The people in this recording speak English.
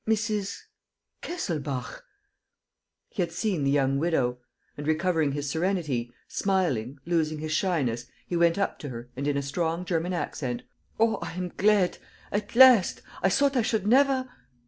Mrs. Kesselbach!" He had seen the young widow. And, recovering his serenity, smiling, losing his shyness, he went up to her and in a strong German accent: "Oh, I am glad! ... At last! ... I thought I should never